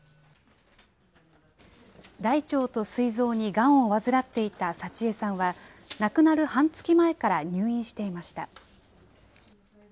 大腸とすい臓にがんを患っていた佐千江さんは、亡くなる半月前から入院していました。